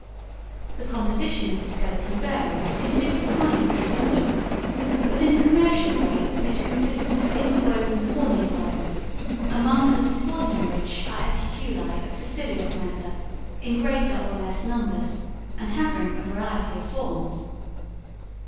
The composition of this skeleton varies in the different kinds of sponges, but in the commercial grades it consists of interwoven horny fibers, among and supporting which are epiculae of silicious matter in greater or less numbers, and having a variety of forms.